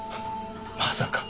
まさか。